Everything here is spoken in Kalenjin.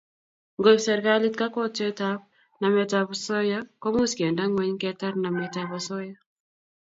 Ngoib serkalit kakwautietab nametab osoya komuch kende ngweny ketar nametab osoya